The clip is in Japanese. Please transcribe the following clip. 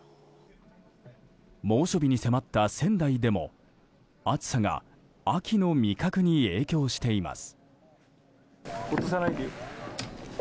猛暑日に迫った仙台でも、暑さが秋の味覚に影響しています。